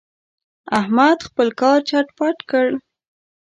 احمد خپل کار چټ پټ کړ.